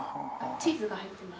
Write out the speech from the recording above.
チーズが入ってます。